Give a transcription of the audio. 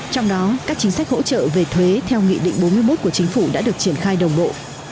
trong đó các chính sách hỗ trợ về thuế theo nghị định bốn mươi một của chính phủ đã được triển khai đồng bộ